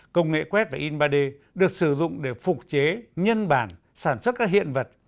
công nghệ quét và in ba d được sử dụng để phục chế nhân bản sản xuất các hiện vật